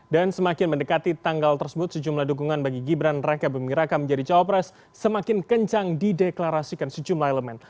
dan semakin mendekati tanggal tersebut sejumlah dukungan bagi gibran reka bumiraka menjadi cawapres semakin kencang dideklarasikan sejumlah elemen